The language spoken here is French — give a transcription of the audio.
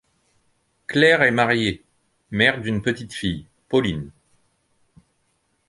Claire est mariée, mère d'une petite fille, Pauline.